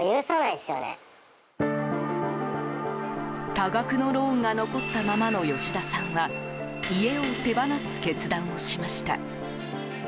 多額のローンが残ったままの吉田さんは家を手放す決断をしました。